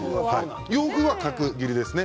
洋風は角切りですね。